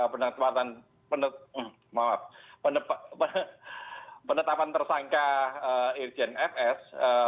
penerapan tersangka irjen fs